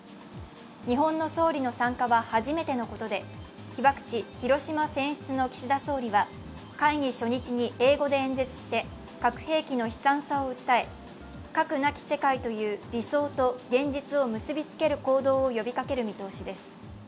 日本の総理の参加は初めてのことで被爆地・広島選出の岸田総理は会議初日に英語で演説して、核兵器の悲惨さを訴え核なき世界という理想と現実を結びつける行動を呼びかける見通しです。